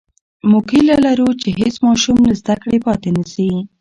موږ هیله لرو چې هېڅ ماشوم له زده کړې پاتې نسي.